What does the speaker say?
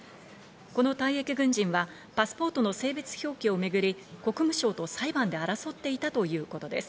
この退役軍人はパスポートの性別表記をめぐり、国務省と裁判で争っていたということです。